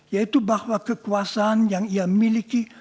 yaitu bahwa kekuasaan yang ia miliki